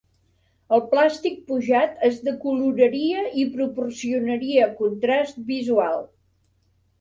El plàstic pujat es decoloraria i proporcionaria contrast visual.